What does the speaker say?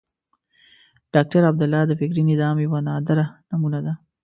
ډاکټر عبدالله د فکري نظام یوه نادره نمونه ده.